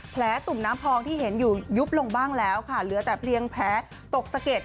ตุ่มน้ำพองที่เห็นอยู่ยุบลงบ้างแล้วค่ะเหลือแต่เพียงแผลตกสะเก็ด